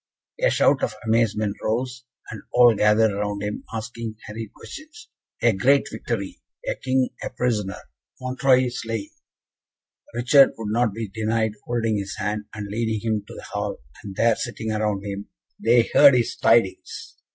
A shout of amazement arose, and all gathered round him, asking hurried questions. "A great victory the King a prisoner Montreuil slain!" Richard would not be denied holding his hand, and leading him to the hall, and there, sitting around him, they heard his tidings.